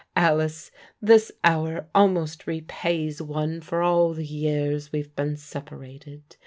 "Alice, this hour almost repays one for all the years we've been separated.